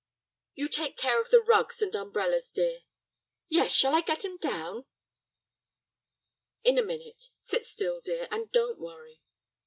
"You take care of the rugs and umbrellas, dear." "Yes. Shall I get 'em down?" "In a minute. Sit still, dear, and don't worry."